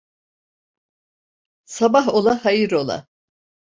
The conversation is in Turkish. Sabah ola, hayır ola.